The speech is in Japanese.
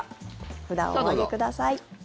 札をお上げください。